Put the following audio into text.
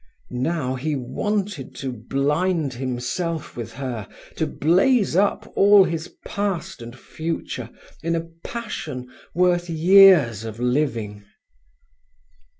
Now he wanted to blind himself with her, to blaze up all his past and future in a passion worth years of living.